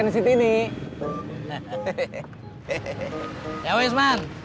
situ takut kan